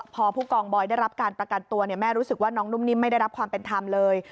พอผู้กองบอยได้รับการประกันตัวแม่รู้สึกว่าน้องนุ่มนิ่มไม่ได้รับความเป็นธรรมเลย